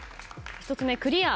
１つ目クリア。